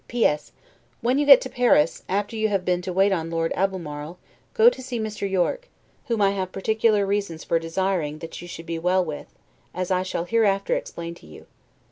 P. S. When you get to Paris, after you have been to wait on Lord Albemarle, go to see Mr. Yorke, whom I have particular reasons for desiring that you should be well with, as I shall hereafter explain to you.